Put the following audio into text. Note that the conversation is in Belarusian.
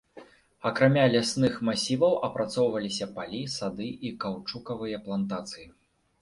Акрамя лясных масіваў апрацоўваліся палі, сады і каўчукавыя плантацыі.